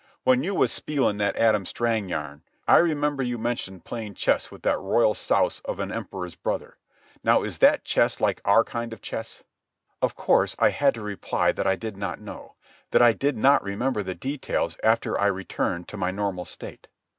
"When you was spieling that Adam Strang yarn, I remember you mentioned playing chess with that royal souse of an emperor's brother. Now is that chess like our kind of chess?" Of course I had to reply that I did not know, that I did not remember the details after I returned to my normal state.